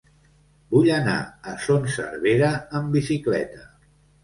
Vull anar a Son Servera amb bicicleta.